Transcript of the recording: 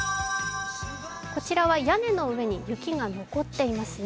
こちらは屋根の上に雪が残っていますね。